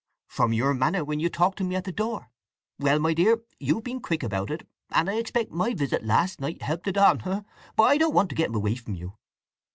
"From your manner when you talked to me at the door. Well, my dear, you've been quick about it, and I expect my visit last night helped it on—ha ha! But I don't want to get him away from you."